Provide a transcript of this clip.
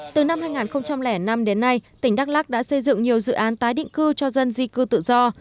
từ năm hai nghìn năm đến nay tỉnh đắk lắc đã xây dựng nhiều dự án tái định cư cho dân di cư tự do